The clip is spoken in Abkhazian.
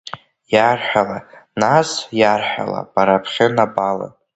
Иарҳәала, нас, иарҳәала, бара бхьы напала.